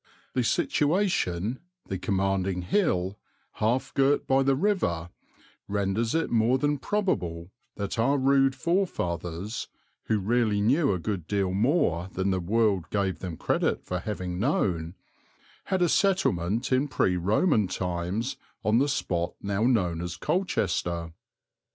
The situation, the commanding hill, half girt by the river, renders it more than probable that our rude forefathers (who really knew a good deal more than the world gave them credit for having known) had a settlement in pre Roman times on the spot now known as Colchester.